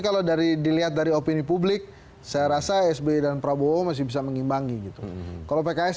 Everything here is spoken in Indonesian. kalau dari dilihat dari opini publik saya rasa sby dan prabowo masih bisa mengimbangi gitu kalau pks